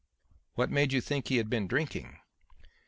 "What made you think he had been drinking?"